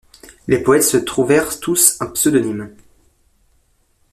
Les poètes se trouvèrent tous un pseudonyme.